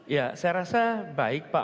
ya saya rasa baik pak